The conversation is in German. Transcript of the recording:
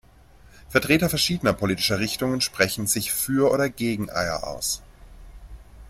Vertreter verschiedener politischer Richtungen sprachen sich für oder gegen Eyre aus.